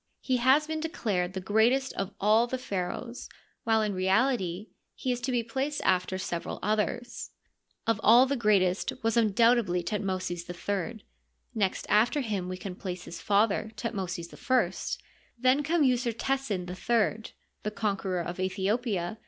He has been declared the greatest of all the pha raohs, while in reality he is to be placed after several others. Of all the greatest was imdoubtedly Thutmosis III ; next after him we can place his father, Thutmosis I ; then come Usertesen III, the conqueror of Aethiopia.